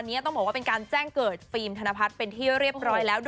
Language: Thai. ต้องบอกว่าเป็นการแจ้งเกิดฟิล์มธนพัฒน์เป็นที่เรียบร้อยแล้ว